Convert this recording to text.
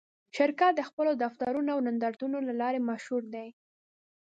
شرکت د خپلو دفترونو او نندارتونونو له لارې مشهور دی.